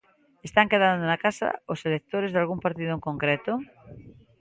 Están quedando na casa os electores dalgún partido en concreto?